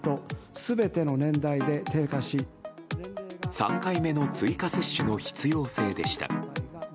３回目の追加接種の必要性でした。